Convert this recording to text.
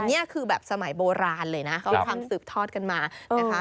นี่คือแบบสมัยโบราณเลยนะเขาทำสืบทอดกันมานะคะ